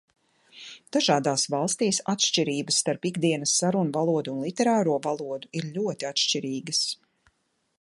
Dažādās valstīs atšķirības starp ikdienas sarunvalodu un literāro valodu ir ļoti atšķirīgas.